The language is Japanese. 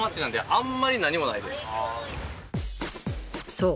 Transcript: そう。